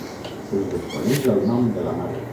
Es desconeix el nom de la mare.